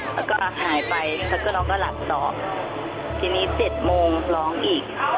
แล้วก็หายไปแล้วก็น้องก็หลับต่อทีนี้๗โมงร้องอีก